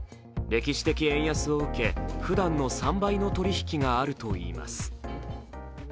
歴史的円安を受け、ふだんの３倍の取引があるといいます。